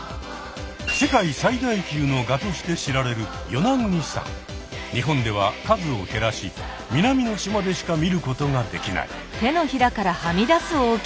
世界最大級のガとして知られる日本では数を減らし南の島でしか見ることができない。